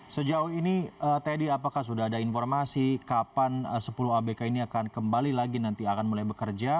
sejauh ini teddy apakah sudah ada informasi kapan sepuluh abk ini akan kembali lagi nanti akan mulai bekerja